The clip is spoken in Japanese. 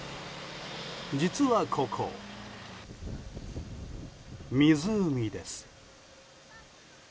実はここ、湖です。